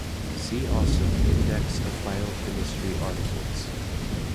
See also index of biochemistry articles.